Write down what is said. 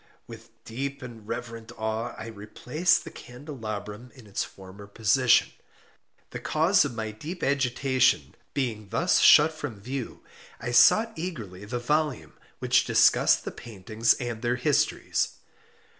With deep and reverent awe I replaced the candelabrum in its former position. The cause of my deep agitation being thus shut from view, I sought eagerly the volume which discussed the paintings and their histories.